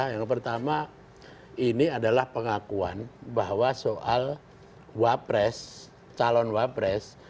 yang pertama ini adalah pengakuan bahwa soal wapres calon wapres